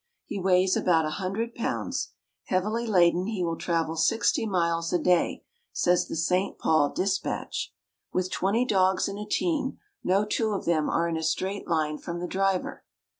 He weighs about 100 pounds. Heavily laden, he will travel sixty miles a day, says the St. Paul Dispatch. With twenty dogs in a team, no two of them are in a straight line from the driver.